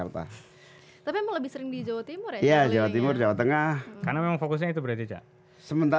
terima kasih cah ibin